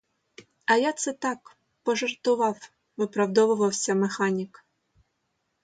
А я це так, пожартував, — виправдувався механік.